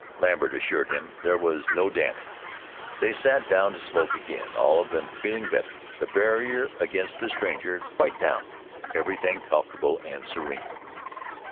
Lambert assured him there was no damage. They sat down to smoke again, all of them feeling better, the barrier against the stranger quite down, everything comfortable and serene.